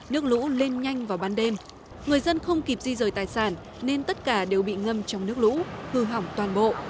nước lũ lên nhanh vào ban đêm người dân không kịp di rời tài sản nên tất cả đều bị ngâm trong nước lũ hư hỏng toàn bộ